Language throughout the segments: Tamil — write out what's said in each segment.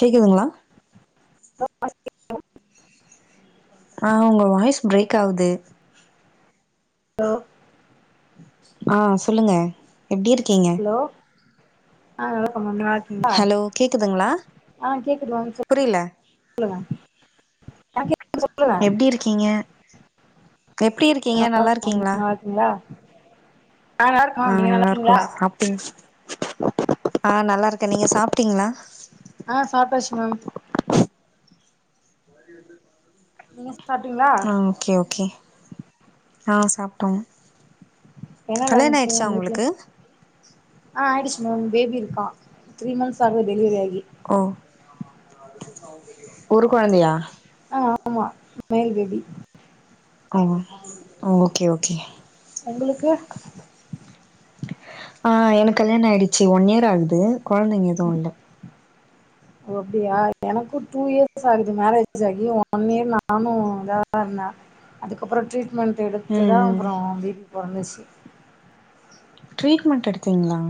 கேக்குதுங்களா [inaudible] ஆ உங்க வாய்ஸ் பிரேக் ஆகுது ஹலோ ஆ சொல்லுங்க எப்டி இருக்கீங்க ஹலோ ஆ வணக்கம்மா நல்லாருக் [inaudible] கிளா ஹலோ கேக்குதுங்களா ஆ கேக்குது [inaudible] புரியல சொல்லுங்க ஆ கேக்குது சொல்லுங்க கீங்க எப்டி இருக்கீங்க நல்லாருக்கீங்ளா என்ன ஆ நல்லாருக்கோ சாப்டிங் ஆ நல்லாருக்கே நீங்க சாப்ட்டீங்களா ஆ சாப்டாச்சு மேம் நீ வந்து இனிமே சா ஆ ஓகே ஓகே ஆ சாப்ட்டோ என்ன கல்யாண லன்ச்சு ஆயிடுச்சா உங்க வீட்ல ஒங்குளுக்கு ஆ ஆயிடுச்சு மேம் பேபி இருக்கா த்ரீ மன்ந்த்ஸ் ஆகுது டெலிவரி ஆயி ஓ ஒரு கொழந்தையா அ ஆமா மெய்ல் பேபி ஓ அ ஓகே ஓகே ஒங்குளுக்கு ஆ எனக்கு கல்யாண ஆயிடுச்சு ஒன் இயர் ஆகுது கொழந்தைங்க எதுவு இல்ல ஓ அப்டியா எனக்கு டூ இயர்ஸ் ஆகுது மேரேஜ் ஆகி ஒன் இயர் நானு இதா தா இருந்தே அதுக்கப் ரோ ட்ரீட்மெண்ட் எடுத்து ம் தா ம் அப்ரோ பேபி பொறந்துச்சு ட்ரீட்மெண்ட் எடுத்தீங்ளா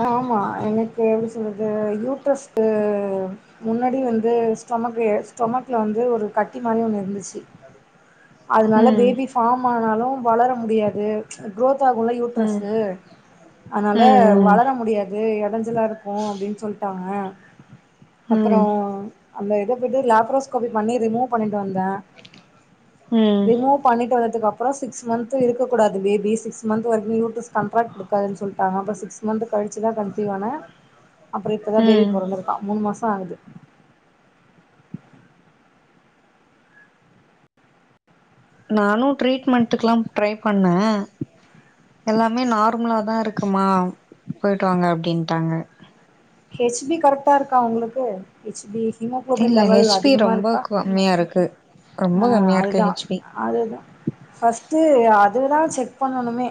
ஆ ஆமா எனக்கு எப்டி சொல்றது யூட்ரஷ்கு முன்னாடி வந்து ஸ்டொமக் ஸ்டொமக்ல வந்து ஒரு கட்டி மாரி ஒண்ணு இருந்துச்சு அதனால ம் பேபி ஃபார்ம் ஆனாலு வளர முடியாது குரோத் ஆகுல்ல ம் யூட்ரஸ்சு அதனால ம் வளர முடியாது அது எடஞ்சலா இருக்கு அப்டின் சொல்லிட்டாங்க அப்பறோ ம் அந்த இத போய்ட்டு லாப்ரோஸ்கோபி பண்ணி ரிமூவ் பண்ணிட்டு வந்தே ம் ரிமூவ் பண்ணிட்டு வந்ததுக்கு அப்றோ சிக்ஸ் மன்ந்த் இருக்ககூடாது பேபி சிக்ஸ் மன்ந்த் வரைக்கு யூட்ரஸ் கண்ட்ராக்ட் குடுக்காதுனு சொல்லி டாங்க அப்ரோ சிக்ஸ் மன்ந்த் கழிச்சு தா கன்சிவ் ஆனே அப்பரோ இப்பதா பேபி ம் பொற ந்துருக்கா மூணு மாசோ ஆகுது நானு ட்ரீட்மெண்ட்டுக்குலாம் ட்ரை பண்ணே எல்லாமே நார்மலா தா இருக்குமா போய்ட்டு வாங்க அப்டின்ட்டாங்க ஹெச் பி கரெக்ட்டா இருக்கா ஒங்களுக்கு ஹெச் பி ஹீமோகுளோபின் லெவல் அதிகமாக இருக்கா கம்மியாருக்கு ஆ அதுதா அதுதா ஃபஸ்ட்டு அதுதா செக் பண்ணணுமே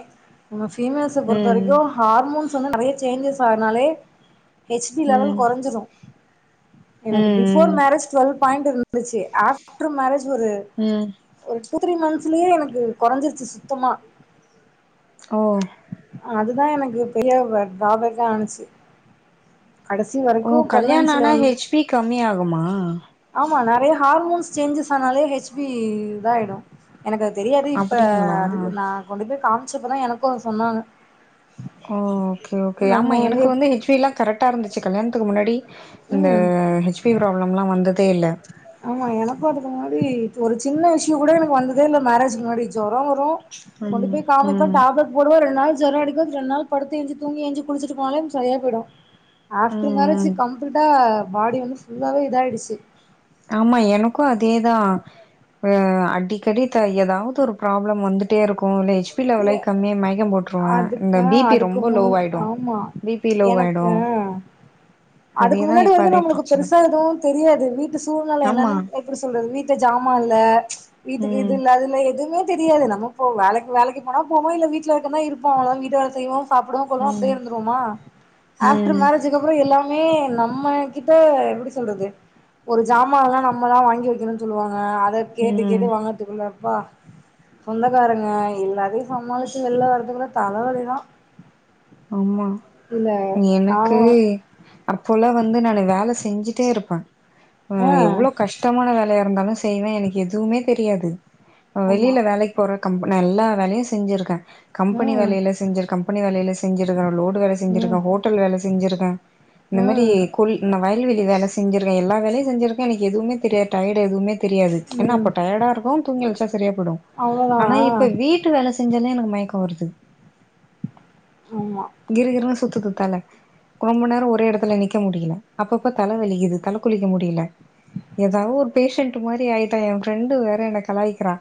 நம்ம ஃபீமேல்ஸ பொறுத்த ம் வரைக்கு ஹார்மோன்ஸ் வந்து நெறைய சேஞ்சஸ் ஆகுரனாலே ஹெச்பி ம் லெவல் கொறஞ்சிரு எனக்கு பிஃபோர் ம் ம் மேரேஜ் டு்வெல் பாயிண்ட் இருந்துச்சு ஆஃப்டர் மேரேஜ் ஒரு ம் ஒரு டூ த்ரீ மன்ந்த்ஸ்லயே எனக்கு கொறஞ்சிருச்சு சுத்தமா ஓ அதுதா எனக்கு பெரிய ட்ராபேக்கா ஆனுச்சு கடசி வ ஓ கல்யாண ஆனா ஹெச்பி கம்மி ஆகுமா ஆமா நெறைய ஹார்மோன்ஸ் சேஞ்சஸ் ஆனாலே ஹெச்பி இதாயிடு எனக்கு தெரியாது இப்ப அப்டிங்களா அது நா கொண்டு போய் காமிச்சப்பதா எனக்கு சொன்னாங்க ஓ ஓகே ஓகே ஆமா எனக்கு வந்து ஹெச்பிலா கரெக்டா இருந்துச்சு கல்யாணத்துக்கு முன்னாடி இந்த ம் ஹெச்பி ப்ராப்ளம்லா வந்ததே இல்ல ஆமா எனக்கு அதுக்கு முன்னாடி ஒரு சின்ன இஷ்யூ கூட எனக்கு வந்ததே இல்ல மேரேஜ்க்கு முன்னாடி ஜொரோ வரு கொண்டு ம் போய் காமிப்பே ம் டேப்லெட் போடுவ ரெண்டு நாள் ஜொர அடிக்கு ரெண்டு நாள் பத்து எஞ்சு தூங்கி ஏஞ்சு குளிச்சிட்டு போனாலே செரியா போயிடு ஆஃப்டர் மேரேஜ் ம் கம்ப்ளீட்டா பாடி வந்து ஃபுல்லாவே இதாயிடுச்சு ஆமா எனக்கு அதேதா அ அடிக்கடி த ஏதாவது ஒரு ப்ராப்ளம் வந்துட்டே இருக்கு இல்ல ஹெச் பி லெவலே ஏ கம்மி மைக்கம் போட்டுருவே இந்த அதுக்கு பிபி ரொம்ப லோவாயிடு பி பி லோவாயிடு எனக்கா அதுக்கு அதேதா முன்னாடி இப்ப வந்து அதே நம்ளுக்கு பிரச்சன பெருசா எதுவு தெரியாது வீட்டு சூழ்நில ஆமா என்னன்னு எப்டி சொல்றது வீட்ட ஜாமா இல்ல இதுக்கு இது ம் இல்லாது இல்ல எதுமே தெரியாது நம போ வேலக் வேலக்கி போனா போவோ இல்ல வீட்ல இருக்கர்னா இருப்போ அவ்ள தா வீட்டு வேல செய்வோ சாப்டவோ கொல்லுவோ ம் அப்டியே இருந்துருவோமா ஆப்ஃடர் ம் மேரேஜ் அதுக்கப்றோ எல்லாமே நம்ம கிட்ட எப்டி சொல்றது ஒரு ஜாமா இல்ல நம்ப தா வாங்கி வைக்கணுன் சொல்லுவாங்க அத கேட்டு ம் கேட்டு வாங்கறதுக்குள்ள அப்பா சொந்தக்காரங்க எல்லா சமாளிச்சு வெள்ல வரதுக்குல்ல தலவலிதா ஆமா இதுல எனக்கு நானு அப்போல்லா வந்து நானு வேல செஞ்சுட்டே இருப்பே ஆ எவ்ளோ கஷ் டமான வேலயா இருந்தாலு செய்வே எனக்கு எதுமே தெரியாது ஆமா வெளில வேலைக் போற கம்ப் நா எல்லா வேலையு செஞ்சிருக்கே கம்பெனி ம் வேலையில செஞ்சு கம்பெனி வேலையில செஞ்சிருக்கே லோடு வேல ம் செஞ்சிருக்கே ஹோட்டல் வேல செஞ்சிருக்கே இந்த மாதிரி ம் கொல் நான் வயல்வெளி வேலை இந்த மாரி கொள் நா வயல்வெளி செஞ்சிருகே எல்லா வேலையு செஞ்சிருக்கே எனக்கு எதுமே தெரியாது டயர்டு எதுமே தெரியாது என்ன ம் அப்ப டயர்டா இருக்கு தூங்கி எழ்ச்சா செரியா போடு அவ்ளோதா ஆனா இப்ப வீட் டு வேல செஞ்சாலே எனக்கு மயக்க வருது ஆமா கிறுகிறுன் சுத்துது தல ரொம்ப நேரோ ஒரே இடத்துல நிக்க முடில அப்பப்ப தல வலிக்குது தல குளிக்க முடில ஏதா ஒரு பேஷண்டட் மாரி ஆய்ட்ட என் ஃப்ரெண்டு வேற என்ன கலாய்க்றா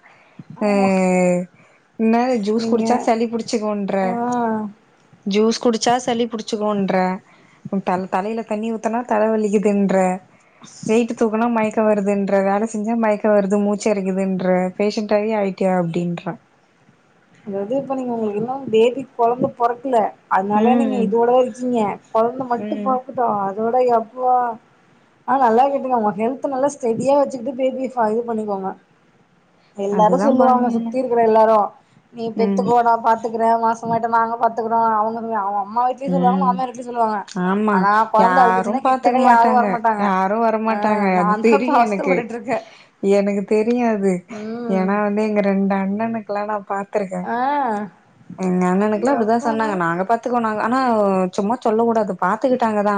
அ ஆமா என்னா ஜூஸ் நீங்க குடிச்சா சளி புடிச்சுகுன்ற ஆ ஜூஸ் குடிச்சா சளி புடிச்சுக்குன்ற த தலைல தண்ணி ஊத்தனா தல வலிக்குதுன்ற வெயிட்டு தூக்கனா மய க்க வருதுன்ற வேல செஞ்சா மயக்க வருது மூச்சு இறைக்குதுன்ற பேஷண்டாவே ஆயிட்டியா அப்டின்றா அதாவது இப்ப நீங்க உங்ளுக்கு இன்னு பேபி கொழந்த பொறக்கல அதனால நீங்க ம் இதோட இருக்கீங்க கொழந்த மட்டு ம் பொறக்கட்டு அதோட எப்பா ஆ நல்லா கேட்டுங்க உங்க ஹெல்த் நல்லா ஸ்டெடியா வச்சுட்டு பேபி ஃப இது பண்ணிக்கோங்க எல்லாரு அதுதா சொல்லுவாங்க பண்ணு சுத்தி இருக்குற எல்லாரு நீ ம் பெத்துக்கோ னா பாத்துக்கறே நாஸ் ங்கட்டு நாங்க பாத்துக்குறோ அவங்களுமே ஆவோ அம்மா வீட்டுலயு சொல்லுவாங்க ம் மாமியார் வீட்டுலயு சொல்வாங்க ஆமா ஆனா கொழந்த யாரு அழுதுச்சுனா பாத்துக்க கிட்டக்க யாரு மாட்டாங்க வரமாட் டாங்க யாரு ஆ வரமாட்டாங்க அது நாதா தெரியு எனக்கு இப்பஅவஸ்த்தப்பட்டுட்ருக்கே எனக்கு தெரியாது ஏன்னா வந்து எங்க ரெண்டு அண்ணனு கலா நா பாத்திருக்கே ஆ எங்க அண்ணனுக்குலா அப்டிதா எப்படா சொன்னாங்க நாங்க பாத்துக்கோ நாங் ஆனா சும்மா சொல்ல கூடாது பாத்துக்கிட்டாங்க தா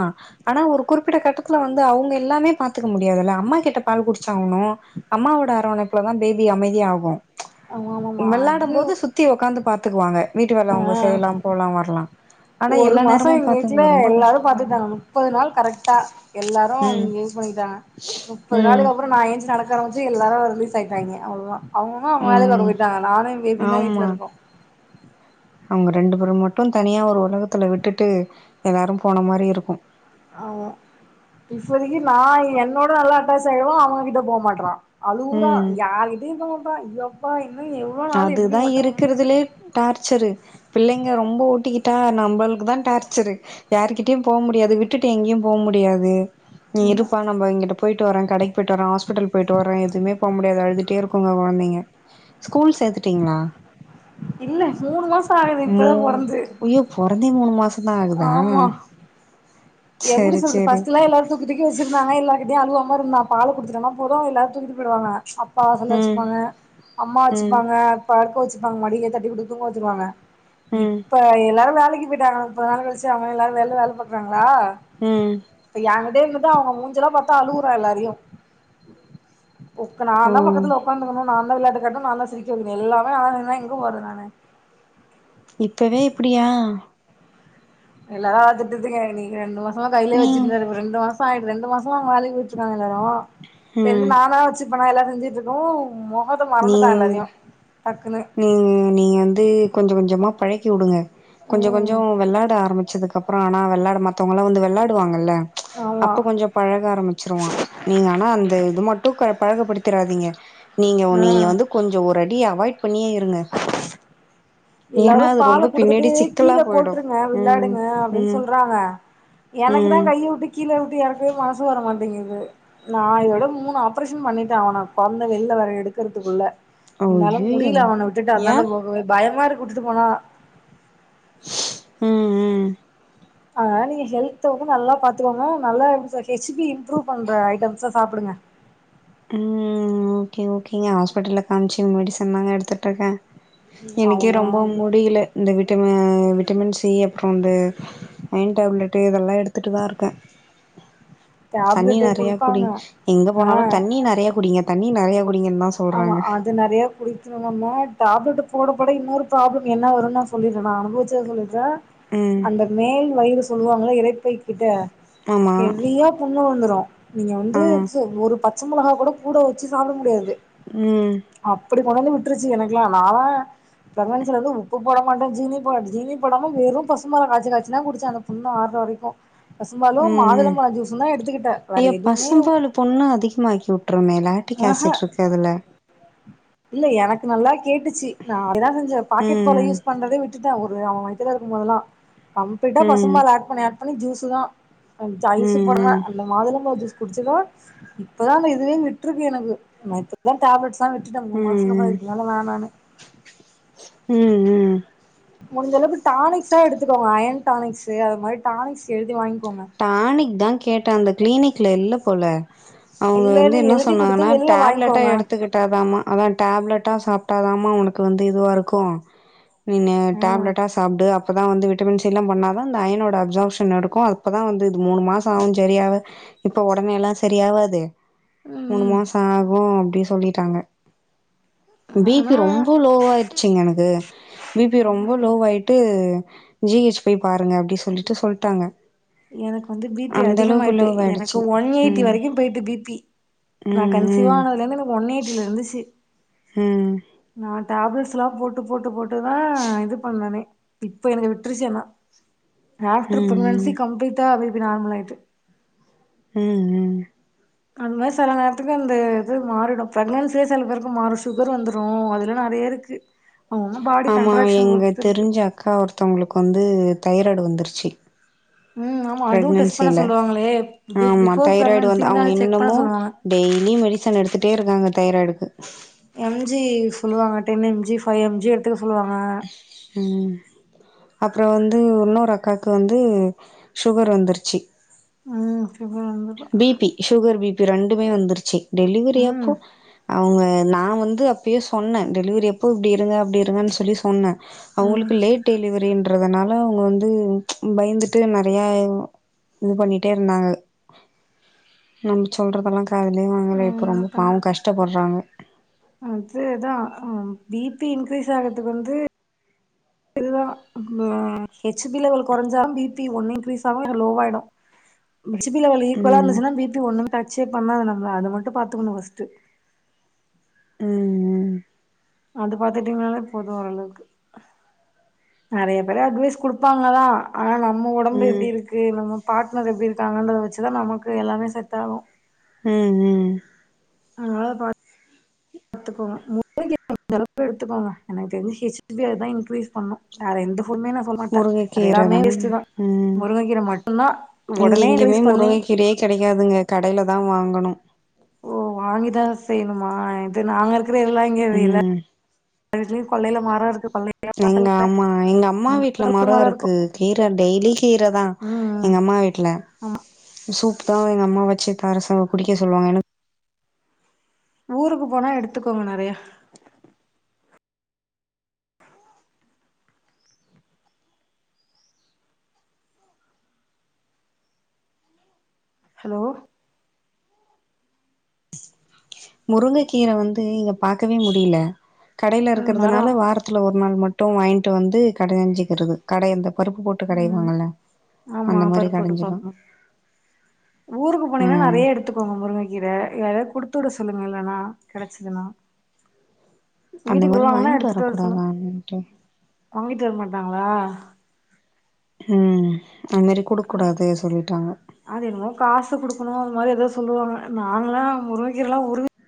ஆனா ஒரு குறிப்பிட்ட கட்டத்துல வந்து அவங்க எல்லாமே பாத்துக்க முடியாதுல்ல அம்மா கிட்ட பால் குடிச்சாகனு அம்மாவோட அரவணைப்புலதா பேபி அமைதியாகு ஆமாமாமா மிளாடும் அது போது சுத்தி உக்காந்து பாத்துக்குவாங்க வீட்டு வேல அவங்க ஆ செய்லா போலா வரலா ஆனா ஒரு எல்லா மாசோ நேரமு எங்க வீட்டுல பாத்துங்களே ரொம்ப எல்லாரு கஷ்டமா இருக்கு பாத்துட்டாங்க முப்பது நாள் கரெக்டா எல்லாரு ம் இங்க இது பண்ணிட்டாங்க முப்பது ம் நாளைளுக்கு அப்புறோ நா ஏன்ச்சி நடக்க காரம்சி எல்லாரு ரிலீஸ் ஆயிட்டாங்க அவ்லதா அவங்க அவ்ங்க அவ்ங்க வேலைய பாக்க ம் போயிட்டாங்க நானு எ பேபியுந்தா ஆமா வீட்ல இருக்கோ அவங்க ரெண்டு பேரு மட்டு தனியா ஒரு உலகத்துல விட்டுட்டு எல்லாரு போன மாரி இருக்கு ஆ இப்போதைக்கு நா என்னோட நல்லா அட்டாச் ஆய்டுறா அவங்க கிட்ட போக மாட்றா அழுவுரா ம் யாரு்கிட்டயு இர்க்க மாட்டா அய்யோப்பா இன்னு எவ்வளோ நாளு இப்டி அதுதா ஓட்ட போரனு தெர்ல இருக்கறதுலயே டார்ச்சரு பிள்ளைங்க ரொம்ப ஒட்டிக்கிட்டா நம்மளுக்கு தா டார்ச்சரு யாருகிட்டயு போ முடியாது விட்டுட்டு எங்கேயு போ முடியாது நீ ம்ஹூம் இருப்பான் நம்மஇங்கிட்டு போய்டு வர கடைக் போயிட்டு வரோ ஹாஸ்பிட்டல் போயிட்டு வரோ எதுமே போ முடியாது அழுதுட்டே இருக்குங்க கொழந்தைங்க ஸ்கூல் சேத்துட்டீங்களா இல்ல மூணு மாசோ ஆகுது மு இப்பதா பொறந்து அய்யோ பொறந்தே மூணு மாசந் தா ஆகுதா ஆமா எப்டி செரி சொல்றது செரி ஃபஸ்ட்ல்லா எல்லார்கு துக்கி வச்சிருந்தாங்க எல்லாருகிட்டையு அழுவாம இருந்தா பால குடுத்துட்டோனா போது எல்லாரு தூக்கிட்டு போய்டுவாங்க அப் பாசல்ல ம் வச்சுப்பாங்க அம்மா ம் வச்சுப்பாங்கப் படுக்க வச்சுப்பாங்க மடிலே தட்டி குடுத்து தூங்க வச்சுருவாங்க ம் இப்ப எல்லாரு [unintelligible] கழிச்சி எல்லாரு வெள்ல வேல பாக்குறாங்களா உ ஏ கிட்டயே இருந்துட்டு அவங்க மூஞ்செலா பாத்தா அழுவுறா எல்லாரையு உக்கன ஓ நாந்தா பக்கத்தல உக்காந்தக்கனு நாந்தா விளாட் காட்னு நாந்தா சிரிக்க வக்கனு எல்லாமே நாந்தா [unintelligible] எங்கே போரது நானு இப்பவே இப்படியா எல்லா திட்டுதுங்க நீ எ க ரெண்டு மாசமா கையிலே நீ வச்சுருந்தாரு இவரு ரெண்டு மாச் [unintelligible] ரெண்டு மாசமா [unintelligible] சரி ம் நானா வச்சு ப்பனா எல்லா செஞ்சுட்ருக்கவு மொகத்த மறந்துட்டா எல்லாரையு டக்குன்னு நீ நீங்க வந்து கொஞ்ச கொஞ்சமா பழக்கி விடுங்க கொஞ்ச கொஞ்சோ ம் வெளாட ஆரம்பிச்சதுக்கு கப்பறோ ஆனா விளையாட மத்தவங்கள்ளா வந்து விளையாடுவாங்கல்ல ஆமா அப்ப கொஞ்சோ பழக ஆரம்பிச்சிருவா நீங்க ஆனா அந்த இது மட்டு பழகப்படுத்திராதீங்க நீங்க ஆ நீங்க வந்து கொஞ்ச ஒரு அடி அவாய்ட் பண்ணியே இருங்க எல்லாரு ஏன்னா அது பால ரொம்ப குடுத்துட்டு பின்னாடி சிக்கலா கீழ போயிடு. போட்ருங்க ம் விளையாடுங்க அப்டின்னு ம் சொல்றாங்க எனக்கு தா ம். கைய விட்டு கீழ விட்டு எறக்குவே மனசு வரமாட்டேங்குது நா இதோட மூணு ஆப்ரேஷன் பண்ணிட்டே அவன குழந்த வெளில வேர எடுக்கிறதுக்குள்ள இருந்தாலு அய்யய்யோ! முடில அவன விட்டுட்டு ஏ? அந்தாண்ட போகவே பயமார்கு விட்டுட்டு போனா உ உ ஆ நீங்க ஹெல்த வந்து நல்லா பாத்துகோங்க நல்லா இந்த ஹெச் பி இம்ப்ரூவ் பண்ற ஐட்டம்ஸ சாப்பிடுங்க ஆ ஓகே ஓகேங்க ஹாஸ்பிட்டலில்ல காமிச்சி மெடிசன்லாங்க எடுத்துட்டுருக்கேன் எனக்கே அவங்க ரொம்ப முடியல இந்த விட்டம விட்டமின் சி அப்புறோ இந்த அயன் டேப்லெட்டு இதெல்லா எடுத்துட்டு தான் இருக்கே தண்ணி டேப்லெட்டு நெறையா குடுப்பாங்க குடிங் எங்க போனாலும் தண்ணி நெறையா குடிங்க தண்ணி நெறையா குடிங்கன்ன தான் ஆமா சொல்றாங்க. ஆ அது நெறையா குடிக்காம டேப்லெட் போட போட இன்னொரு ப்ரோப்லம் என்ன வரும்ன்ன நா சொல்லிடுறேன் நா அனுபவிச்சத சொல்லிடுறேன் ம். அந்த மேல் வயிறு சொல்லுவாங்களா இறைப்பை கிட்ட ஆமா. ஹேவியா புண்ணு வந்துரு நீங்க ஆ. வந்து ஒரு பச்ச மிளகா கூட கூட வச்சு சாப்ட முடியாது ம் அப்டி கொண்டாந்து விட்டுருச்சு எனக்கெல்லா நால்லா பிரமன்ஸ்ல வந்து உப்பு போட மாட்டே ஜீனி போட ஜீனி போடாம வெறும் பசும் பால காய்சி காய்சி தான் குடிச்ச அந்த புண்ணு அரூர வரைக்கும் பசும் பாலும் ம். மாதுளம்பழம் ஜூஸும் தான் எடுத்துக்கிட்டேன் வேற எதுவுமே புண்ணு அதிகமாகக்கி விட்ருங்க லாட்டிக் ஆஹ் ஆசிட் இருக்கு அதுல இல்ல எனக்கு நல்லா கேட்டுச்சு நா அததான் செஞ்ச பாக்கெட் பால ம். யூஸ் பண்றதே விட் டுட்டே அவரு அவ வயத்துல இருக்கும் போதல்லா கம்ப்ளீட்டா ம். பசும்பால் அட் பண்ணி அட் பண்ணி ஜூஸு தா கொஞ்சோ ம். ஐஸ் போடலா ம். அந்த மாதுள ஜூஸ் குடிச்சுதா இப்பதான் அந்த இதுவே விட்டுருக்கு எனக்கு நான் இப்பதான் டேப்லெட்ஸ் தா விட் டுட்ட மூணு மாசத்துக்கு அப்புறோ ம். இதுக்கு மேல வேணான்னு ம் ம் முடிஞ்ச அளவுக்கு டானிக்ஸா எடுத்துக்கோங்க அயன் டானிக்ஸ் அது மாதிரி டானிக்ஸ் எழுதி வாங்கிக்கோங்க டானிக்தா கேட்ட அந்த கிளினிக்ல இல்ல போல அவங்க வந்து இல்லன்னு என்ன எழுதி குடுத்து சொன்னாங்கன்னா வெளில டேப்லெட்டா வாங்கிக்கோங்க எடுத்துக்கிட் ட்டாதாம அதான் டேப்லெட்டா சாப்பிட்டாதாம உனக்கு வந்து இதுவா இருக்கும் நீன்னு ம் டேப்லெட்ட சாப்பிட்டு அப்போ தான் வந்து விட்டமின் சி எல்லா பண்ணாதா அந்த அயனோட அப்சார்ப்ஷன் நடக்கும் அப்பதா வந்து இது மூணு மாசம் ஆகும் செரியாவ இப்ப உடனே எல்லா செரியாவாது மூணு ம் மாசம் ஆகும் அப்டி சொல்லிட்டாங்க பி பி ஆனா ரொம்ப லோவயிடுச்சிங்க எனக்கு பி பி ரொம்ப ஆமாங்க லோ ஆயிட்டு ஜி ஹச் போய் பாருங்க அப்டி சொல்லிட்டு சொல்லிட்டாங்க எனக்கு வந்து பி பி அதிக ஆயிட்டு லோவ் எனக்கு ஆயிடுச்சு ஒன் எயிட்டி ம் வரைக்கும் போய்ட்டு பி பி நா ம் கன்சிவா ம் ஆனத்துல இருந்து எனக்கு ஒன் ஏட்டில இருந்துச்சு ம் நா டேப்லெட்ஸ் எல்லா போட்டு போட்டு போட்டுதா இது பண்ணனே இப்போ எனக்கு விட்டுருச்சுயென்னா ம் ஆஃப்டர் ம் பிராக்னன்சி கம்ப்ளீட்டா அ இப்ப நார்மல் ஆயிட்டு ம் ம் அது மாரி சில நேரத்துக்கு அந்த இது மாறிடும் ப்ரக்னன்சியே சில பேருக்கு மாறும் சுகர் வந்துரு அதுலா நெறைய இருக்கு து ஆமா எங்க தெரிஞ்ச அக்கா ஒருத்தவங்களுக்கு வந்து தைராய்டு வந்துருச்சு ம் ஆமா அதுவு டெஸ்ட் பண்ண பிறக்னான்சில சொல்லுவாங்களே பி ஆமா பிஃபோர் தைராய்டு பிரெக்னன்சி வந்து அவங்க அத செக் பண்ண இன்னமு சொல்லுவாங்க டெய் லி மெடிசன் எடுத்துகட்டே இருக்காங்க தைராய்டுக்கு எம் ஜி சொல்லுவாங்க ten M G five M G எடுத்துக்க சொல்லுவாங்க ம் அப்புறோ வந்து இன்னொரு அக்காவுக்கு வந்து சுகர் வந்துருச்சு ம் சுகர் வந்து பிபி சுகர் பி பி ரெண்டுமே வந்துருச்சு டெலிவரியாப்போ ம் அவங்க நா வந்து அப்பயே சொன்ன டெலிவரி அப்போ இப்டி இருங்க அப்டி இருங்கன் சொல்லி சொன்ன ம் அவுங்களுக்கு லேட் டெலிவரின்றதுனால அவங்க வந்து பயந்துட்டு நறைய இது பண்ணிட்டே இருந்தாங்க நம்ம சொல்லறதுல்லா‌ காதுலயே வாங்கல இப்ப ரொம்ப மாட்டாங்க பாவு கஷ்டப்படுறாங்க அதுதா அ பிபி இன்கிரீஸ் ஆகறதுக்கு வந்து இதுதா ஹெச் பி லெவல் கொறசாலு பி பி ஒண்ணு இன்க்ரீஸ் ஆவு இல்ல லோவாயிடு ஹெச் பி லெவல் ஈக்குவலா ம் இருந்துச்சுன்னா பி பி ஒண்ணு டச்சே பண்ணாது நம்மள அத மட்டு பாத்துக்கணு ஃபஸ்ட்டு ம் ம் அது பாத்துட்டீங்கனாலே போது ஓரளவுக்கு நறைய பேரு அட்வைஸ் குடுப்பாங்க தா‌ ஆனா நம் ம ஒடம்பு ம் எப்டி இருக்குது நம்ம பாட்னர் எப்டி இருக்காங்கன்றத வச்சு தா நமக்கு எல்லாமே செட் ஆகு ம் ம் அதனால பாத் பாத்துக்கோங்க முருககீர முடிஜ்ஜளவுக்கு எடுத்துக்கோங்க எனக்கு தெரிஞ்சு ஹெச் பிய அதா இன்க்ரீஸ் பண்ணு வேற எந்த ஃபுட்மே நா சொல்ல மாட்ட முருங்கக்கீர எல்லாமே தான வேஸ்ட்டுதா ம் முருங்கக்கீர மட்டுதா இங்க எங்கேயுமே முருங்க கீரையே கிடைக்காதுங்க கடையில தா வாங்கணு ஓ வாங்கிதா செய்யணுமா இது நாங்க இருக்கறது எல்லா இங்க வில ம் வீட்லயு கொள்ளைல மாரோ இருக்கு கொள்ளை எங்க அம்மா எங்க அம்மா வீட்ல மரோ தலைமரம் இருக்கு இருக்கும் கீர டெய்லி கீர தா ம் ம் எங்க அம்மா வீட்டுல ஆமா சூப் தா எங்க அம்மா வச்சு தார சொ குடிக்க சொல்லுவாங்க எனக் ஊருக்கு போனா எடுத்துக்கோங்க நறையா ஹலோ முருங்க கீர வந்து இங்க பாக்கவே முடில கடையில ம் இருக்கிறதுனால மரம் வார்த் துல ஒரு நாள் மட்டு வாங்கிட்டு வந்து கடைஞ்சுக்கிறது கடை அந்த பருப்பு போட்டு ம் கடையவாங்கல ஆமா அந்த மாரி பருப்பு கடைஞ்சிருவ எடுப்பாங்க ஊருக்கு போனீங்கன்னா நறைய எடுத்துக்கோங்க முருங்க கீர யாரையாவது குடுத்து விட சொல்லுங்க இல்லன்னா கடைச்சுதுன்னா அந்த வீட்டுக்கு மாரி வருவாங்கன்னா வாங்கிட்டு எடுத்துட்டு வர சொல்லுங் வரக்கூடாதான்ட்டு வாங்கிட்டு வரமாட்டாங்களா ம் அது மாரி குடுக் கூடாது சொல்லிட்டாங்க அது என்னமோ காசு குடுக்கணு அது மாரி எதோ சொல்லுவாங்க நாங்களல்லா முருங்கக்கீரலா உருவி